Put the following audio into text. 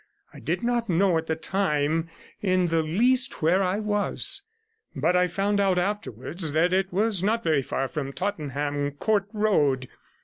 I did not know at the time in the least where I was, but I found out afterwards that it was not very far from Tottenham Court Road.